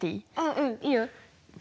あうんいいよ。